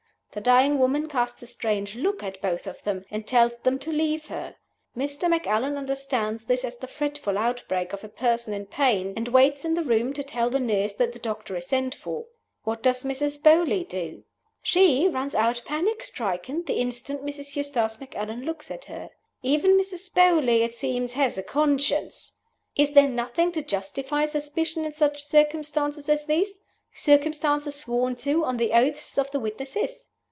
The dying woman casts a strange look at both of them, and tells them to leave her. Mr. Macallan understands this as the fretful outbreak of a person in pain, and waits in the room to tell the nurse that the doctor is sent for. What does Mrs. Beauly do? She runs out panic stricken the instant Mrs. Eustace Macallan looks at her. Even Mrs. Beauly, it seems, has a conscience! Is there nothing to justify suspicion in such circumstances as these circumstances sworn to on the oaths of the witnesses?